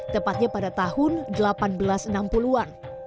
tepatnya pada tahun seribu delapan ratus enam puluh an